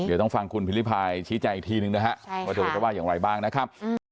เดี๋ยวต้องฟังคุณพิริพายชี้แจงอีกทีนึงนะฮะว่าเธอจะว่าอย่างไรบ้างนะครับ